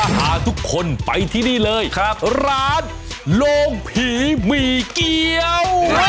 พาทุกคนไปที่นี่เลยครับร้านโรงผีหมี่เกี้ยว